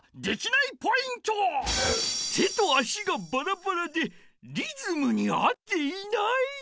手と足がバラバラでリズムに合っていない。